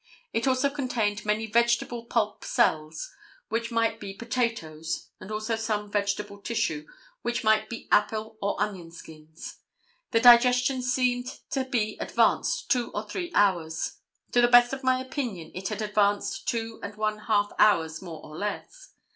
It also contained many vegetable pulp cells; which might be potatoes, and also some vegetable tissue, which might be apple or onion skins. The digestion seemed to be advanced two or three hours. To the best of my opinion it had advanced two and one half hours more or less.